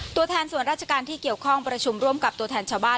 ตัวแทนส่วนราชการที่เกี่ยวข้องประชุมร่วมกับตัวแทนชาวบ้าน